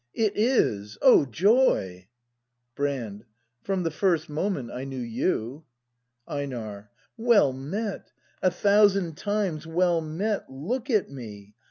It is ! O joy ! Brand. From the first moment I knew you. Einar. Well met! a thousand times well met! Look at me!